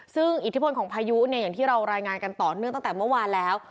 ซึ่งอิทธิพลของพายุเนี่ยอย่างที่เรารายงานกันต่อเนื่องตั้งแต่เมื่อวานแล้ว